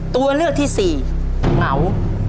ตัวเลือกที่สี่เหงา